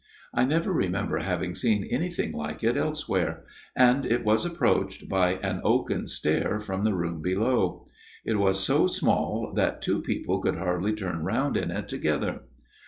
I never remember having seen anything like it elsewhere ; and it was approached by an oaken stair from the room below. It was so small that two people could hardly turn round in it together.